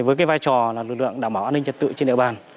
với cái vai trò là lực lượng đảm bảo an ninh trật tự trên địa bàn